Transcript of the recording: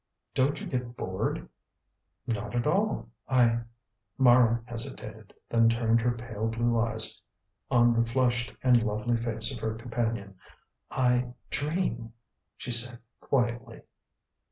"Don't you get bored?" "Not at all; I " Mara hesitated, then turned her pale blue eyes on the flushed and lovely face of her companion "I dream," she said quietly.